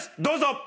どうぞ！